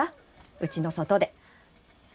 うちの外で。